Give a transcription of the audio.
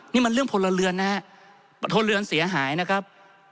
นี่มันเรื่องพลเรือนนะครับพลเรือนเสียหายนะครับ